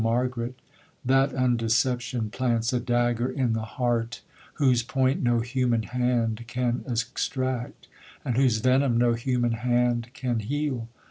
Margaret—that undeception plants a dagger in the heart, whose point no human hand can extract, and whose venom no human hand can heal!'